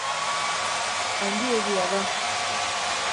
Handiegia da.